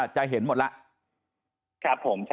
ใช่ครับผม